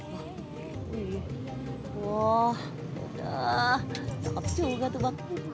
wah udah cakep juga tuh bakti